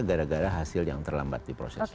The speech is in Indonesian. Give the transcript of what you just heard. gara gara hasil yang terlambat di proses